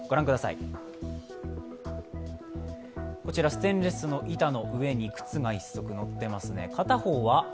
ステンレスの板の上に靴が１足乗っていますね。